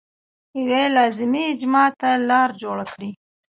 یوې لازمي اجماع ته لار جوړه کړي.